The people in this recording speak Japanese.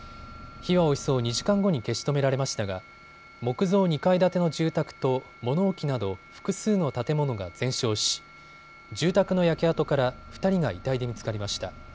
火はおよそ２時間後に消し止められましたが木造２階建ての住宅と物置など複数の建物が全焼し住宅の焼け跡から２人が遺体で見つかりました。